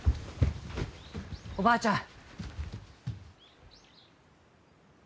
おばあちゃん！